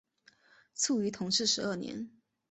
卒于同治十二年。